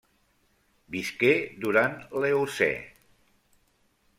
Visqué durant l’Eocè.